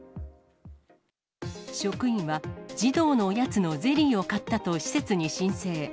職員は、児童のおやつのゼリーを買ったと施設に申請。